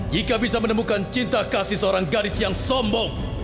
jika bisa menemukan cinta kasih seorang gadis yang sombong